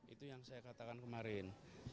itu yang saya katakan kemarin